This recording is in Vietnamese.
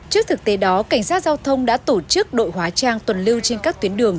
trước thực tế đó cảnh sát giao thông đã tổ chức đội hóa trang tuần lưu trên các tuyến đường